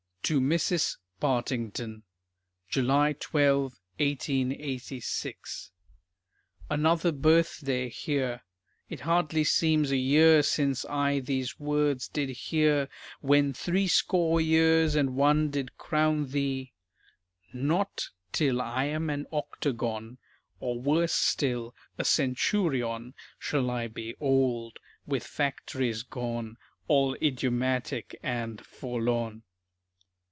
TO MRS. PARTINGTON. July 12, 1886. Another birthday here? It hardly seems a year Since I these words did hear, When three score years and one did crown thee, "Not till I am an octagon, Or, worse still, a centurion, Shall I be old, with factories gone All idiomatic and forlorn."